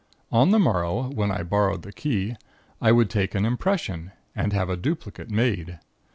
On the morrow, when I borrowed the key, I would take an impression, and have a duplicate made.